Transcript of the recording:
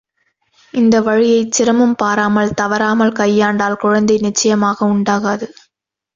இந்த வழியைச் சிரமம் பாராமல், தவறாமல் கையாண்டால் குழந்தை நிச்சயமாக உண்டாகாது.